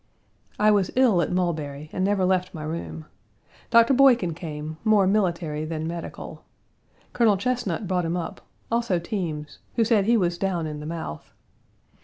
I was ill at Mulberry and never left my room. Doctor Boykin came, more military than medical. Colonel Chesnut brought him up, also Teams, who said he was down in the mouth.